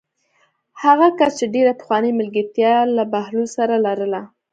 هغه کس چې ډېره پخوانۍ ملګرتیا یې له بهلول سره لرله.